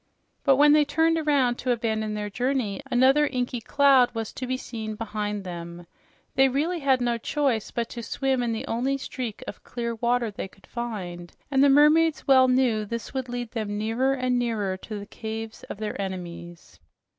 But when they turned around to abandon their journey, another inky cloud was to be seen behind them. They really had no choice but to swim in the only streak of clear water they could find, and the mermaids well knew this would lead them nearer and nearer to the caves of their enemies.